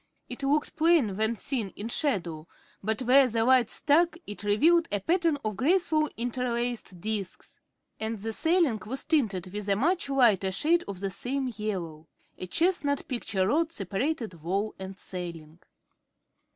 It looked plain when seen in shadow, but where the light struck it revealed a pattern of graceful interlaced disks. And the ceiling was tinted with a much lighter shade of the same yellow. A chestnut picture rod separated wall and ceiling.